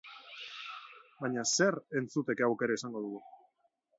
Baina zer entzuteko aukera izango dugu?